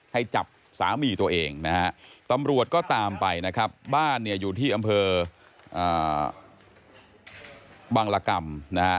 ให้จับสามีตัวเองนะฮะตำรวจก็ตามไปนะครับบ้านเนี่ยอยู่ที่อำเภอบังรกรรมนะฮะ